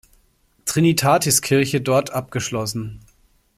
Trinitatiskirche dort abgeschlossen.